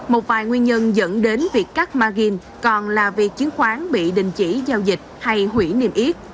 một vài nguyên nhân dẫn đến việc cắt margin còn là việc chứng khoán bị đình chỉ giao dịch hay hủy niềm yết